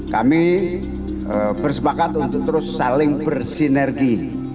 kami bersepakat untuk terus saling bersinergi